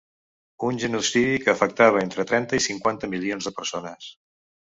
Un genocidi que afectava entre trenta i cinquanta milions de persones.